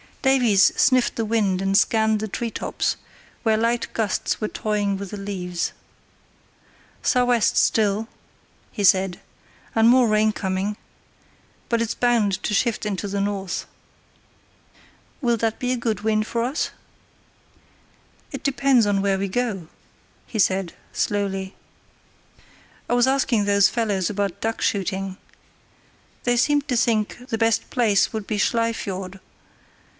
Davies sniffed the wind and scanned the tree tops, where light gusts were toying with the leaves. "Sou' west still," he said, "and more rain coming. But it's bound to shift into the north." "Will that be a good wind for us?" "It depends where we go," he said, slowly. "I was asking those fellows about duck shooting. They seemed to think the best place would be Schlei Fiord.